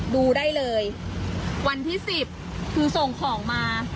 ดูได้เลยวันที่๑๐คือส่งของมา